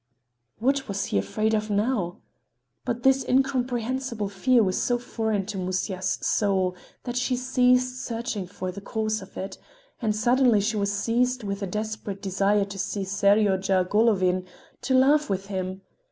What was he afraid of now? But this incomprehensible fear was so foreign to Musya's soul that she ceased searching for the cause of it—and suddenly she was seized with a desperate desire to see Seryozha Golovin, to laugh with him.